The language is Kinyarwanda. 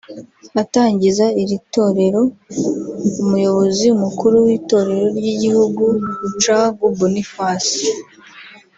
Atangiza iri torero umuyobozi mukuru w’itorero ry’igihugu Rucagu Boniface